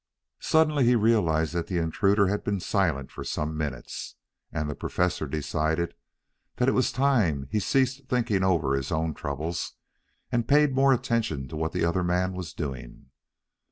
Suddenly he realized that the intruder had been silent for some minutes, and the Professor decided that it was time he ceased thinking over his own troubles and paid more attention to what the other man was doing.